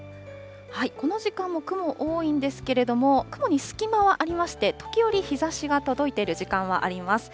この時間も雲多いんですけれども、雲に隙間はありまして、時折日ざしが届いている時間はあります。